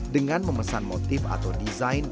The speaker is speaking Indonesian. dengan memesan motif atau desain